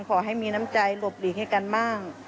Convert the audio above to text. ขอให้มีน้ำใจหลบหลีกให้กันบ้าง